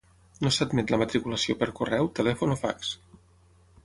No s'admet la matriculació per correu, telèfon o fax.